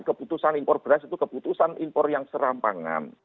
keputusan impor beras itu keputusan impor yang serampangan